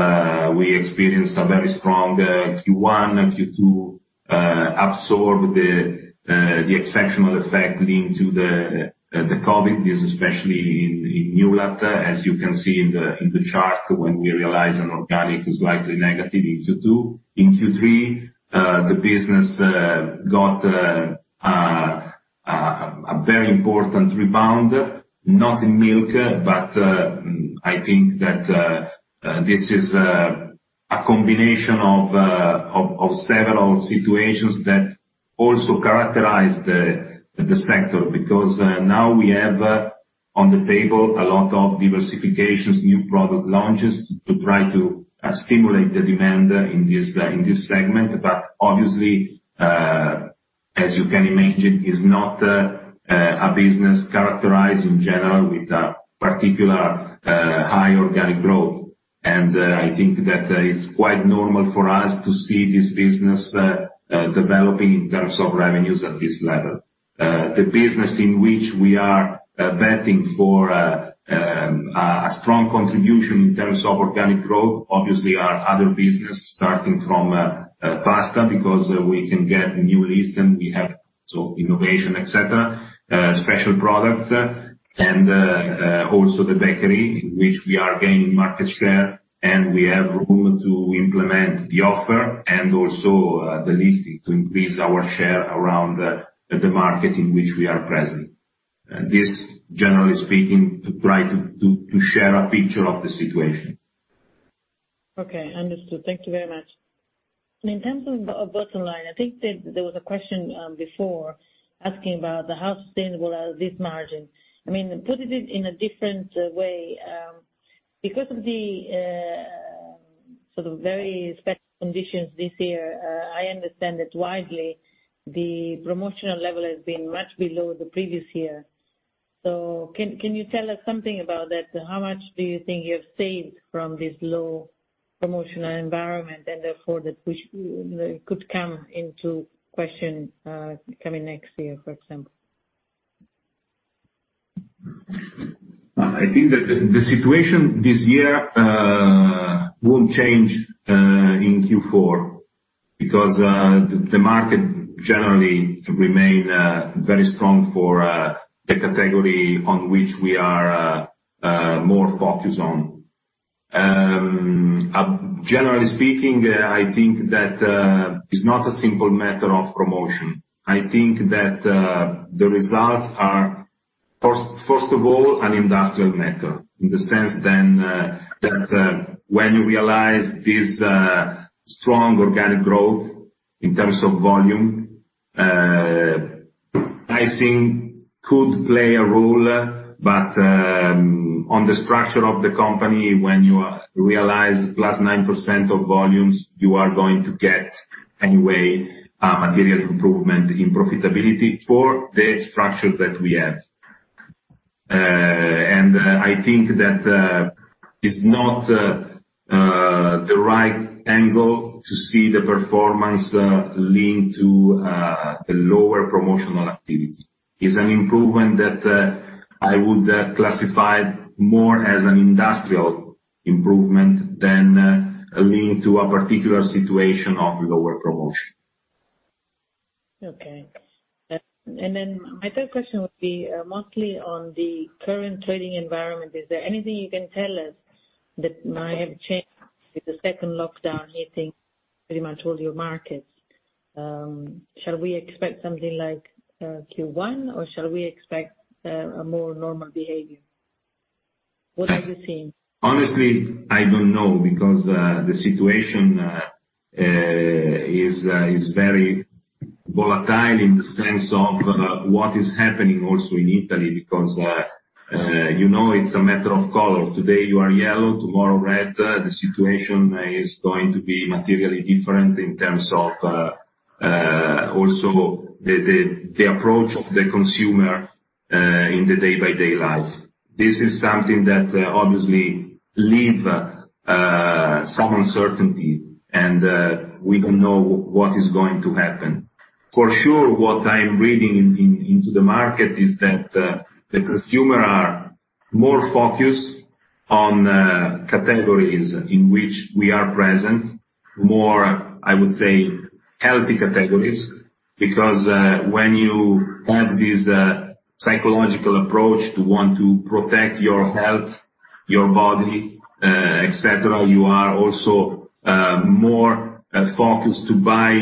we experienced a very strong Q1, Q2 absorbed the exceptional effect linked to the COVID. This is especially in Newlat, as you can see in the chart when we realized an organic is slightly negative in Q2. In Q3, the business got a very important rebound, not in milk, but I think that this is a combination of several situations that also characterize the sector because now we have on the table a lot of diversifications, new product launches to try to stimulate the demand in this segment. But obviously, as you can imagine, it's not a business characterized in general with a particular high organic growth. I think that it's quite normal for us to see this business developing in terms of revenues at this level. The business in which we are betting for a strong contribution in terms of organic growth obviously are other businesses starting from pasta because we can get new listings and we have also innovation, etc., special products, and also the bakery in which we are gaining market share and we have room to implement the offer and also the listing to increase our share around the market in which we are present. This, generally speaking, to try to share a picture of the situation. Okay. Understood. Thank you very much. And in terms of the bottom line, I think that there was a question before asking about how sustainable are these margins. I mean, put it in a different way. Because of the sort of very special conditions this year, I understand that widely the promotional level has been much below the previous year. So can you tell us something about that? How much do you think you have saved from this low promotional environment and therefore that which, you know, could come into question coming next year, for example? I think that the situation this year won't change in Q4 because the market generally remains very strong for the category on which we are more focused on. Generally speaking, I think that it's not a simple matter of promotion. I think that the results are first of all an industrial matter in the sense that when you realize this strong organic growth in terms of volume, pricing could play a role. But on the structure of the company, when you realize +9% of volumes, you are going to get anyway material improvement in profitability for the structure that we have. And I think that it's not the right angle to see the performance linked to the lower promotional activity. It's an improvement that I would classify more as an industrial improvement than linked to a particular situation of lower promotion. Okay. And, and then my third question would be, mostly on the current trading environment, is there anything you can tell us that might have changed with the second lockdown hitting pretty much all your markets? Shall we expect something like Q1, or shall we expect a more normal behavior? What are you seeing? Honestly, I don't know because the situation is very volatile in the sense of what is happening also in Italy because, you know, it's a matter of color. Today you are yellow, tomorrow red. The situation is going to be materially different in terms of also the approach of the consumer in the day-to-day life. This is something that obviously leaves some uncertainty. We don't know what is going to happen. For sure, what I'm reading into the market is that the consumer are more focused on categories in which we are present, more I would say healthy categories because when you have this psychological approach to want to protect your health, your body, etc., you are also more focused to buy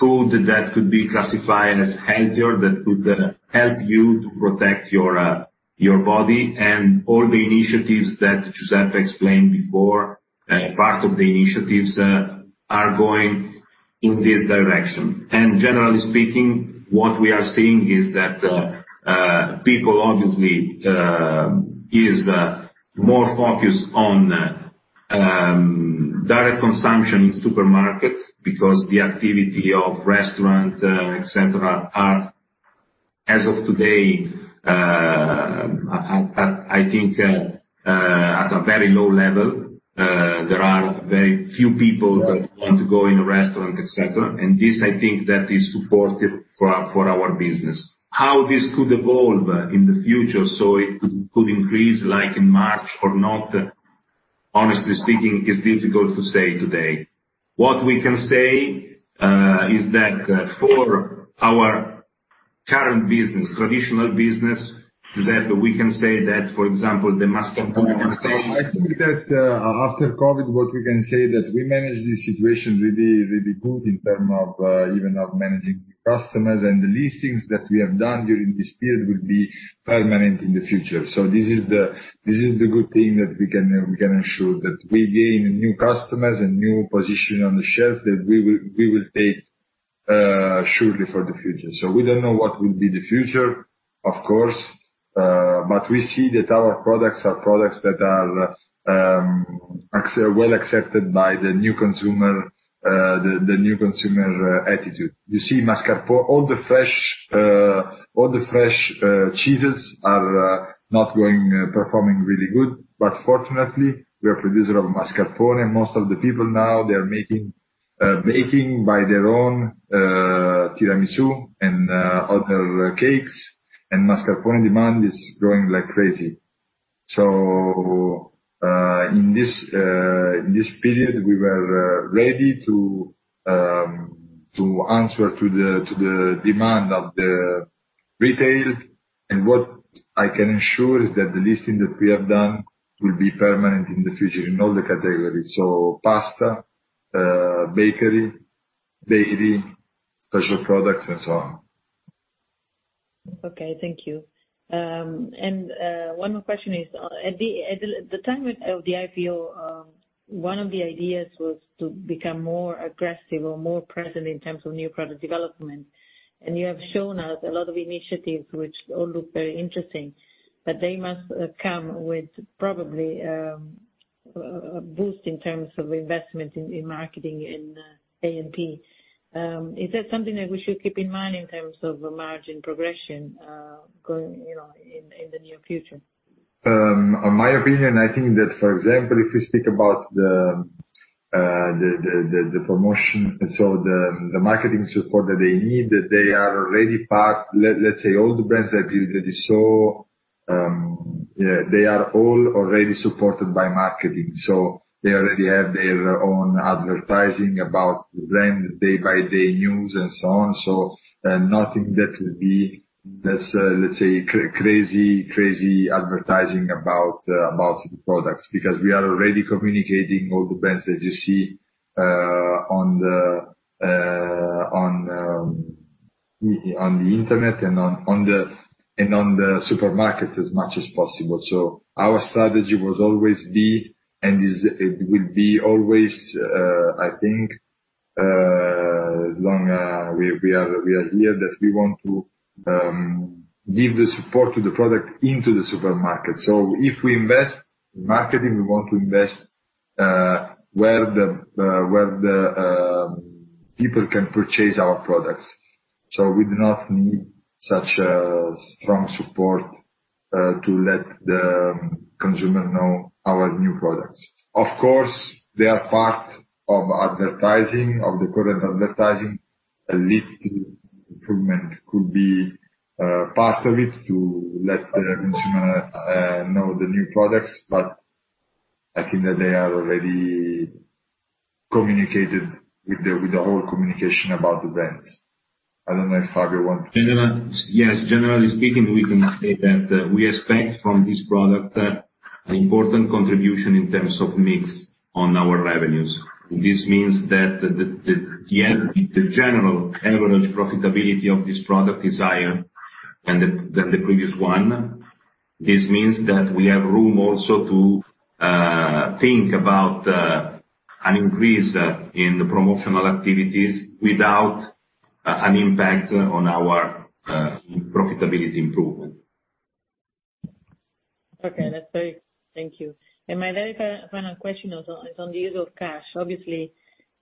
food that could be classified as healthier, that could help you to protect your body. All the initiatives that Giuseppe explained before, part of the initiatives, are going in this direction. Generally speaking, what we are seeing is that, people obviously, is, more focused on, direct consumption in supermarkets because the activity of restaurants, etc., are as of today, I think, at a very low level. There are very few people that want to go in a restaurant, etc. This, I think, that is supportive for our business. How this could evolve in the future, it could increase like in March or not, honestly speaking, is difficult to say today. What we can say, is that, for our current business, traditional business, Giuseppe, we can say that, for example, the mascarpone category. I think that, after COVID, what we can say is that we managed this situation really, really good in terms of, even of managing new customers. The listings that we have done during this period will be permanent in the future. So this is the good thing that we can ensure that we gain new customers and new positions on the shelf that we will take, surely for the future. So we don't know what will be the future, of course, but we see that our products are products that are actually well accepted by the new consumer attitude. You see, mascarpone, all the fresh cheeses are performing really good. But fortunately, we are producers of mascarpone. And most of the people now, they are making, baking by their own, tiramisu and other cakes. And mascarpone demand is growing like crazy. So, in this period, we were ready to answer to the demand of the retail. And what I can ensure is that the listing that we have done will be permanent in the future in all the categories. So pasta, bakery, dairy, special products, and so on. Okay. Thank you. And one more question is, at the time of the IPO, one of the ideas was to become more aggressive or more present in terms of new product development. And you have shown us a lot of initiatives which all look very interesting, but they must come with probably a boost in terms of investment in marketing and A&P. Is that something that we should keep in mind in terms of margin progression, going, you know, in the near future? In my opinion, I think that, for example, if we speak about the promotion, so the marketing support that they need, that they are already part, let's say, all the brands that you saw, they are all already supported by marketing. So they already have their own advertising about the brand, day-by-day news, and so on. So, nothing that would be that's, let's say, crazy advertising about the products because we are already communicating all the brands that you see, on the internet and on the supermarket as much as possible. So our strategy was always be and is, it will be always, I think, as long we are here that we want to give the support to the product into the supermarket. If we invest in marketing, we want to invest where the people can purchase our products. We do not need such strong support to let the consumer know our new products. Of course, they are part of advertising of the current advertising. A little improvement could be part of it to let the consumer know the new products. But I think that they are already communicated with the whole communication about the brands. I don't know if Fabio wants. general, yes, generally speaking, we can say that we expect from this product an important contribution in terms of mix on our revenues. This means that the general average profitability of this product is higher than the previous one. This means that we have room also to think about an increase in the promotional activities without an impact on our profitability improvement. Okay. That's very good. Thank you. And my very final question is on the use of cash. Obviously,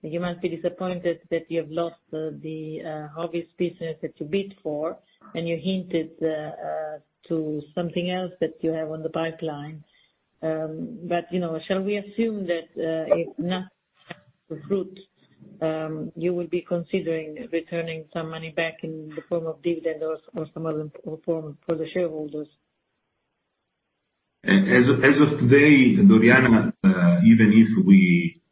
you must be disappointed that you have lost the Hovis business that you bid for, and you hinted to something else that you have on the pipeline, but you know, shall we assume that, if not fruit, you will be considering returning some money back in the form of dividends or some other form for the shareholders? As of today, Doriana, even if we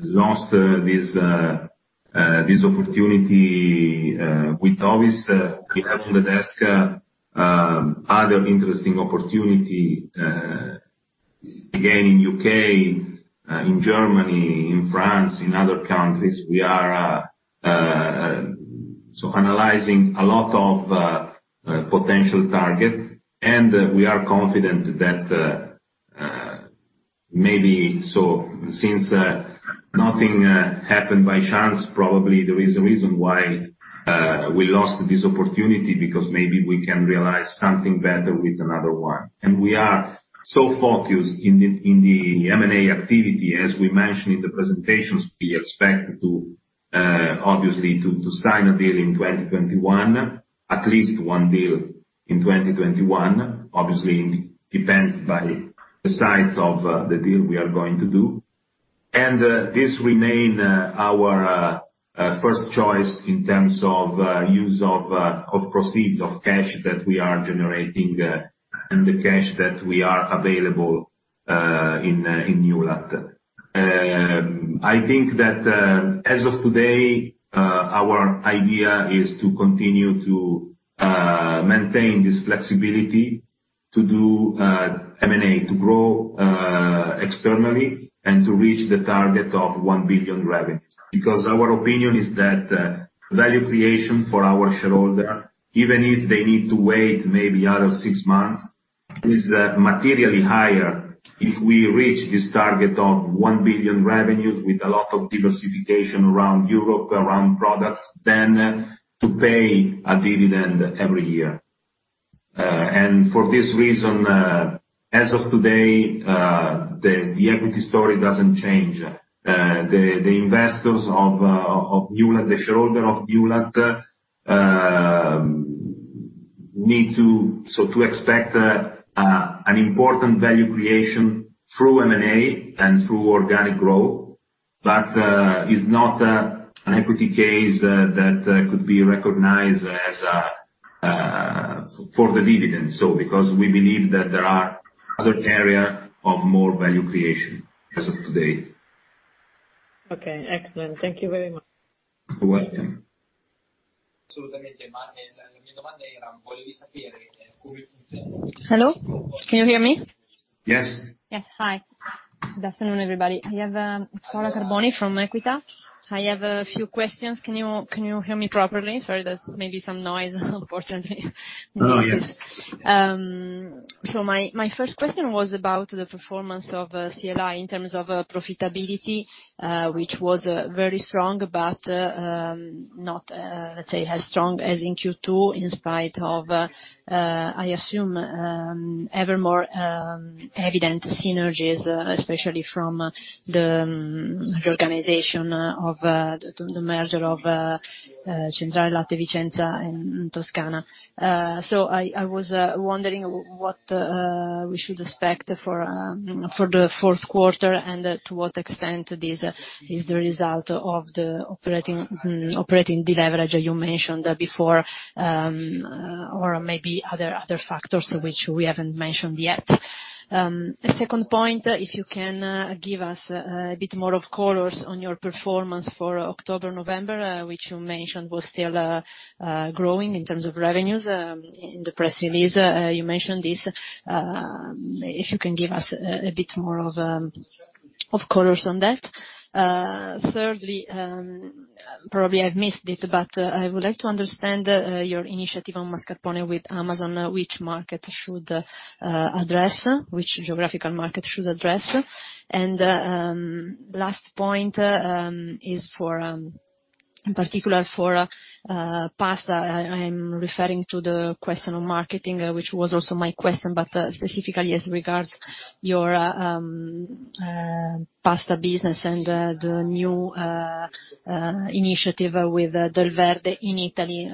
lost this opportunity with Hovis, we have on the desk other interesting opportunity, again in the U.K., in Germany, in France, in other countries. We are analyzing a lot of potential targets. And we are confident that maybe so since nothing happened by chance, probably there is a reason why we lost this opportunity because maybe we can realize something better with another one. And we are so focused in the M&A activity, as we mentioned in the presentations, we expect to obviously sign a deal in 2021, at least one deal in 2021. Obviously, it depends by the size of the deal we are going to do. This remains our first choice in terms of use of proceeds of cash that we are generating, and the cash that we are available in Newlat. I think that as of today, our idea is to continue to maintain this flexibility to do M&A, to grow externally and to reach the target of 1 billion revenue. Because our opinion is that value creation for our shareholder, even if they need to wait maybe another six months, is materially higher if we reach this target of 1 billion revenues with a lot of diversification around Europe, around products than to pay a dividend every year. For this reason, as of today, the equity story doesn't change. The investors of Newlat, the shareholder of Newlat, need to so to expect an important value creation through M&A and through organic growth. But it's not an equity case that could be recognized as for the dividend. So, because we believe that there are other areas of more value creation as of today. Okay. Excellent. Thank you very much. You're welcome. Hello? Can you hear me? Yes. Yes. Hi. Good afternoon, everybody. I'm Paola Carboni from Equita. I have a few questions. Can you hear me properly? Sorry, there's maybe some noise, unfortunately. Oh, yes. So, my first question was about the performance of CLI in terms of profitability, which was very strong but not, let's say, as strong as in Q2 in spite of, I assume, ever more evident synergies, especially from the organization of the merger of Centrale del Latte di Vicenza and Toscana. So, I was wondering what we should expect for the fourth quarter and to what extent this is the result of the operating deleverage you mentioned before, or maybe other factors which we haven't mentioned yet. The second point, if you can give us a bit more color on your performance for October, November, which you mentioned was still growing in terms of revenues. In the press release, you mentioned this. If you can give us a bit more color on that. Thirdly, probably I've missed it, but I would like to understand your initiative on mascarpone with Amazon, which market it should address, which geographical market it should address. And last point is, in particular for pasta, I'm referring to the question of marketing, which was also my question, but specifically as regards your pasta business and the new initiative with Delverde in Italy,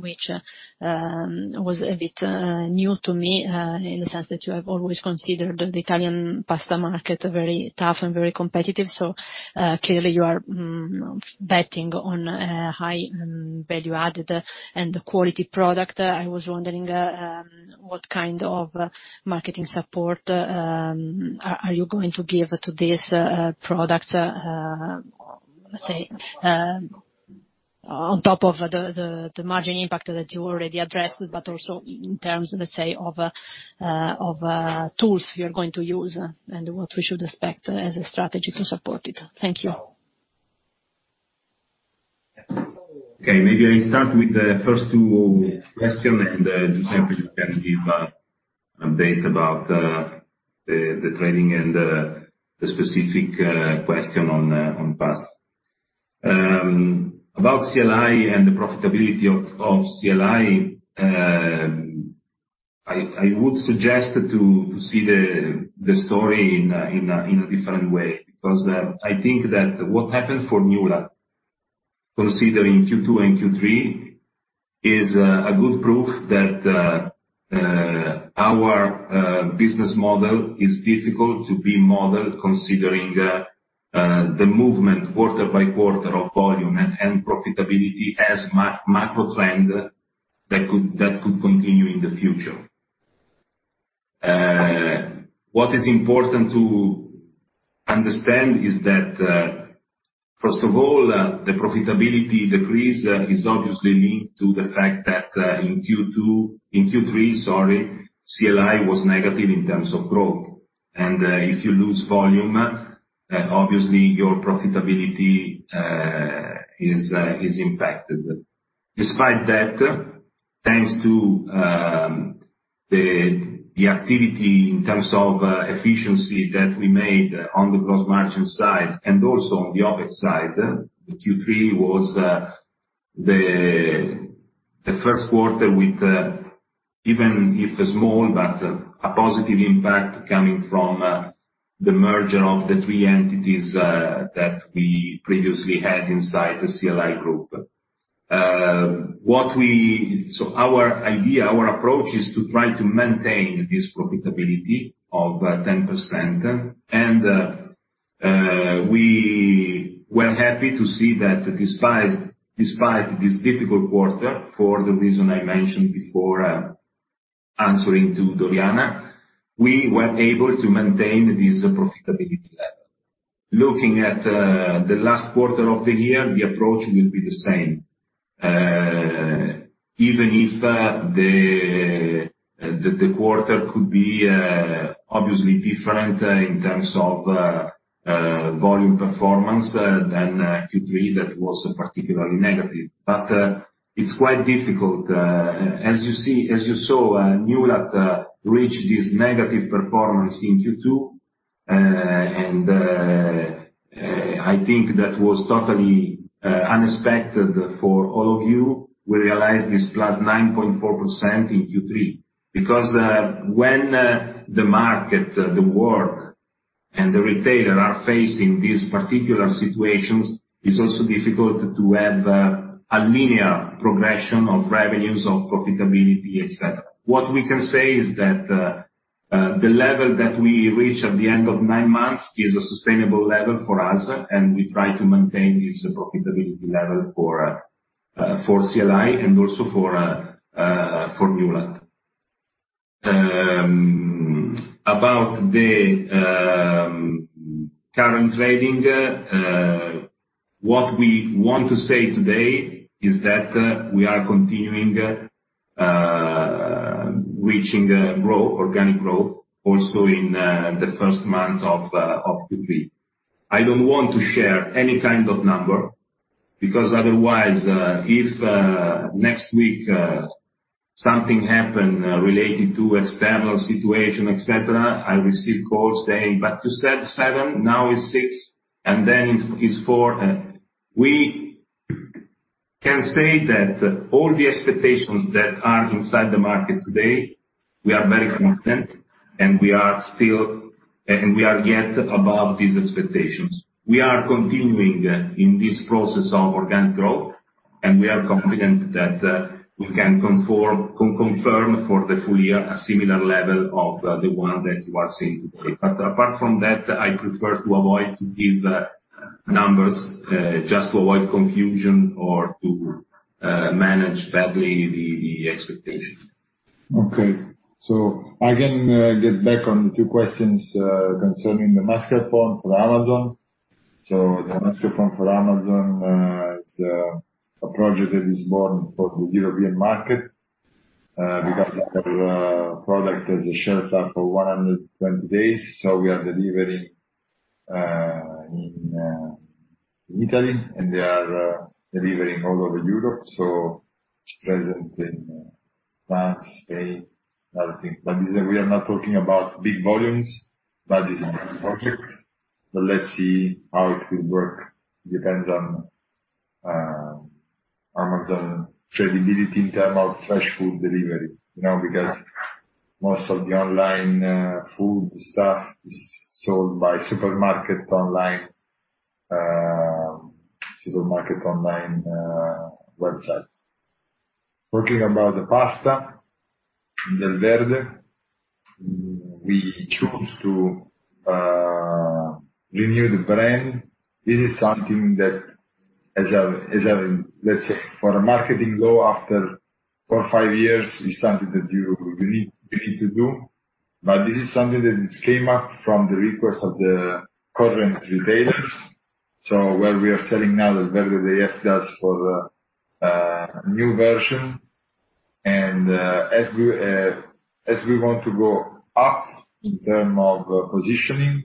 which was a bit new to me, in the sense that you have always considered the Italian pasta market very tough and very competitive. So clearly you are betting on a high value-added and quality product. I was wondering, what kind of marketing support are you going to give to this product, let's say, on top of the margin impact that you already addressed, but also in terms, let's say, of tools you are going to use and what we should expect as a strategy to support it. Thank you. Okay. Maybe I start with the first two questions and, Giuseppe, you can give an update about the trading and the specific question on pasta. About CLI and the profitability of CLI, I would suggest to see the story in a different way because I think that what happened for Newlat, considering Q2 and Q3, is a good proof that our business model is difficult to be modeled considering the movement quarter by quarter of volume and profitability as macro trend that could continue in the future. What is important to understand is that, first of all, the profitability decrease is obviously linked to the fact that, in Q2, in Q3, sorry, CLI was negative in terms of growth. If you lose volume, obviously your profitability is impacted. Despite that, thanks to the activity in terms of efficiency that we made on the gross margin side and also on the OpEx side, Q3 was the first quarter with, even if small, but a positive impact coming from the merger of the three entities that we previously had inside the CLI group. What we saw, our idea, our approach is to try to maintain this profitability of 10%. We were happy to see that despite this difficult quarter, for the reason I mentioned before, answering to Doriana, we were able to maintain this profitability level. Looking at the last quarter of the year, the approach will be the same, even if the quarter could be obviously different in terms of volume performance than Q3 that was particularly negative, but it's quite difficult. As you see, as you saw, Newlat reached this negative performance in Q2, and I think that was totally unexpected for all of you. We realized this +9.4% in Q3 because when the market, the world, and the retailer are facing these particular situations, it's also difficult to have a linear progression of revenues, of profitability, etc. What we can say is that the level that we reach at the end of nine months is a sustainable level for us, and we try to maintain this profitability level for CLI and also for Newlat. About the current trading, what we want to say today is that we are continuing reaching growth, organic growth, also in the first months of Q3. I don't want to share any kind of number because otherwise, if next week, something happened related to external situation, etc., I receive calls saying, "But you said seven, now it's six, and then it's four." We can say that all the expectations that are inside the market today, we are very confident, and we are still, and we are yet above these expectations. We are continuing in this process of organic growth, and we are confident that we can confirm for the full year a similar level of the one that you are seeing today, but apart from that, I prefer to avoid to give numbers, just to avoid confusion or to manage badly the expectation. Okay. So I can get back on two questions concerning the mascarpone for Amazon. So the mascarpone for Amazon, it's a project that is born for the European market, because our product has a shelf life of 120 days. So we are delivering in Italy, and they are delivering all over Europe. So it's present in France, Spain, and other things. But this is we are not talking about big volumes, but it's a project. But let's see how it will work. It depends on Amazon's credibility in terms of fresh food delivery, you know, because most of the online food stuff is sold by supermarket online websites. Talking about the pasta, Delverde, we chose to renew the brand. This is something that, as a, let's say, for a marketing goal after four, five years, it's something that you need to do, but this is something that came up from the request of the current retailers, so where we are selling now, Delverde's new version, and as we want to go up in terms of positioning,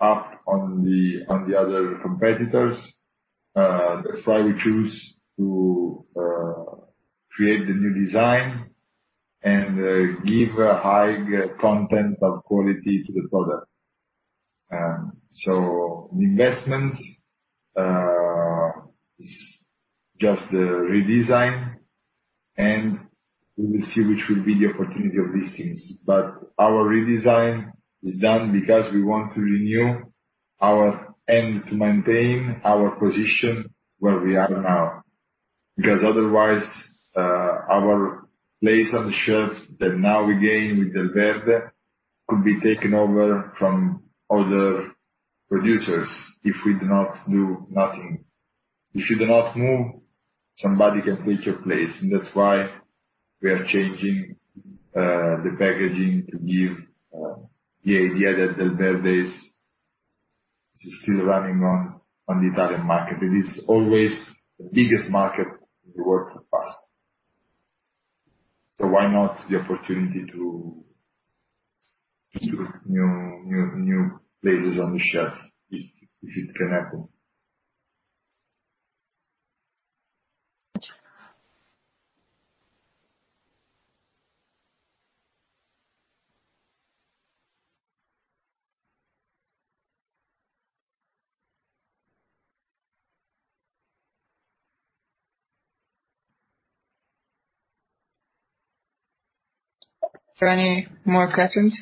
up on the other competitors, that's why we chose to create the new design and give a high content of quality to the product, so the investment is just the redesign, and we will see which will be the opportunity of these things. But our redesign is done because we want to renew our brand and to maintain our position where we are now because otherwise, our place on the shelf that now we gain with Delverde could be taken over from other producers if we do not do nothing. If you do not move, somebody can take your place. And that's why we are changing the packaging to give the idea that Delverde is still running on the Italian market. It is always the biggest market in the world for pasta. So why not the opportunity to do new places on the shelf if it can happen? Is there any more questions?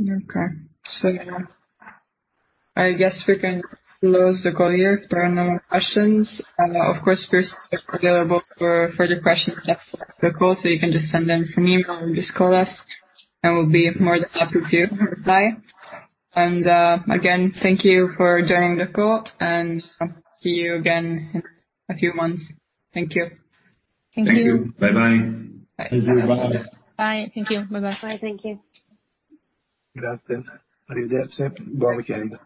Okay. So I guess we can close the call here if there are no more questions. Of course, we're still available for further questions after the call, so you can just send us an email or just call us, and we'll be more than happy to reply. And, again, thank you for joining the call, and see you again in a few months. Thank you. Thank you. Thank you. Bye-bye. Bye. Thank you. Bye. Bye. Thank you. Bye-bye. Bye. Thank you. Good afternoon. Are you there? Sir, go on, we can.